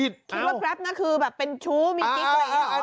คิดว่าแกรปน่ะคือแบบเป็นชู้มีกิ๊กอะไรอย่างนี้